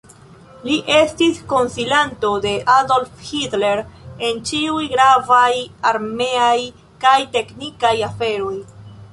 Li estis konsilanto de Adolf Hitler en ĉiuj gravaj armeaj kaj teknikaj aferoj.